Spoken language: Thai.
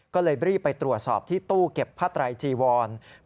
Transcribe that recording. ก็เลยบรีไปตรวจสอบที่ตู้เก็บพะไตรจีวรภาย